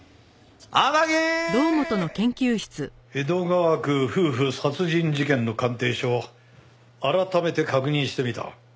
江戸川区夫婦殺人事件の鑑定書を改めて確認してみた。